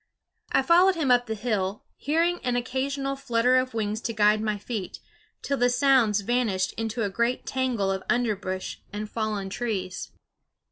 I followed him up the hill, hearing an occasional flutter of wings to guide my feet, till the sounds vanished into a great tangle of underbrush and fallen trees.